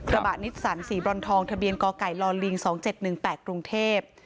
ระบะนิสสันสีบรอนทองทะเบียนกไก่ลิง๒๗๑๘กรุงเทพ